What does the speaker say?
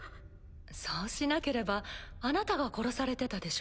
そうしなければあなたが殺されてたでしょ？